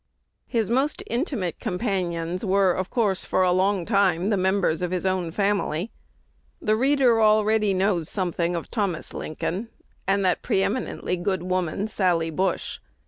His most intimate companions were of course, for a long time, the members of his own family. The reader already knows something of Thomas Lincoln, and that pre eminently good woman, Sally Bush.